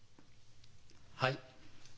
はい。